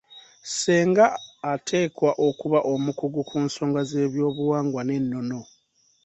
Ssenga ateekwa okuba omukugu ku nsonga z'eby'obuwangwa n'ennono.